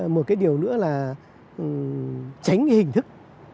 một cái điều nữa là tránh hình thức